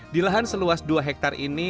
di lahan seluas dua hektare ini